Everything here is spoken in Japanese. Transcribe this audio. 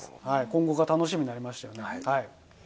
今後が楽しみになりましたよね。